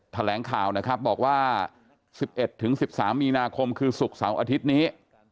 แถลงข่าวนะครับบอกว่า๑๑๑๑๓มีนาคมคือศุกร์เสาร์อาทิตย์นี้